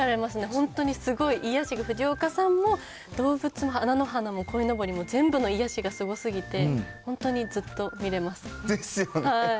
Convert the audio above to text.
本当にすごい癒やしが、藤岡さんも動物も、菜の花もこいのぼりも全部の癒やしがすごすぎて、本当ですよね。